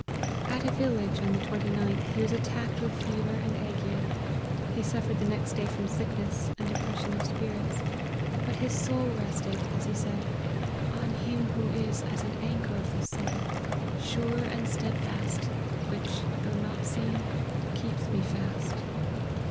At a village, on the 29th, he was attacked with fever and ague. He suffered the next day from sickness and depression of spirits, but his soul rested, as he said, " on Him who is as an anchor of the soul, sure and steadfast, which, though not seen, keeps me fast."